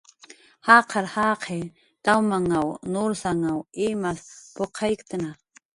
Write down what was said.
Jaqar jaqiq tawmanw nursanw imas puqayktna